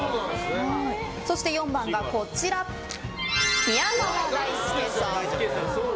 そして４番が、宮川大輔さん。